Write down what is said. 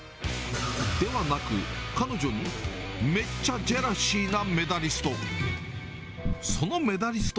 ではなく、彼女にめっちゃジェラシーなメダリスト。